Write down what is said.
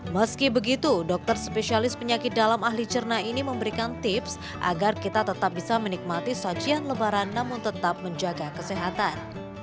meski begitu dokter spesialis penyakit dalam ahli cerna ini memberikan tips agar kita tetap bisa menikmati sajian lebaran namun tetap menjaga kesehatan